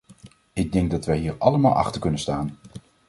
Ik denk dat wij hier allemaal achter kunnen staan.